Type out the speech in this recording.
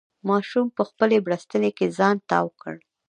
ماشوم په خپلې بړستنې کې ځان تاو کړ.